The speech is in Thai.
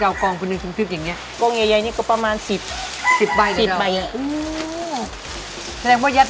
อ่าวก็มันไม่มีหายใจนะเจ้า